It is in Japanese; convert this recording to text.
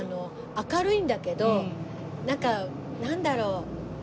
明るいんだけどなんかなんだろう？